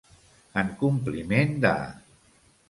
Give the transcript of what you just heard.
En compliment de.